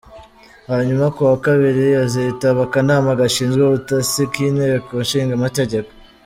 Hanyuma ku wa kabiri azitaba akanama gashinzwe ubutasi k'inteko nshingamategeko.